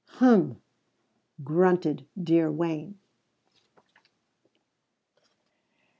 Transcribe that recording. "Hum!" grunted dear Wayne.